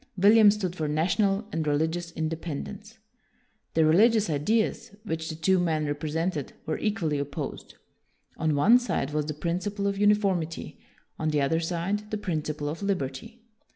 William stood for national and religious independence. The religious ideas which the two men represented were equally opposed. On one side was the principle of uniformity, on the other side the principle of liberty.